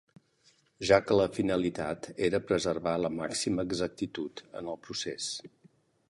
Ja que la finalitat era preservar la màxima exactitud en el procés.